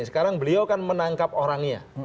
sekarang beliau kan menangkap orangnya